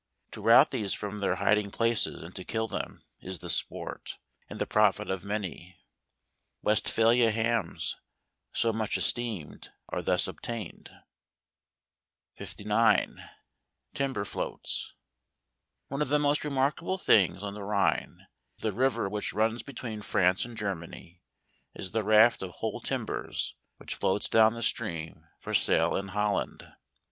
To rout these from their hiding places, and to kill them, is the sport, and the profit of many. Westphalia hams, so much es¬ teemed, are thus obtained. * v GERMANY. *•>.) 4 L 59. Timber Floats . One of the most remarkable things on the Rhine (the river which runs between France and Germany) is the raft of whole timbers, which floats down the stream, for sale in Holland.